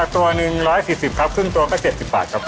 ตัวหนึ่ง๑๔๐ครับครึ่งตัวก็๗๐บาทครับ